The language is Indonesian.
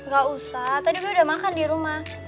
gak usah tadi gue udah makan di rumah